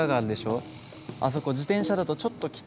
あそこ自転車だとちょっときついんだよね。